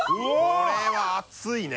これは熱いね。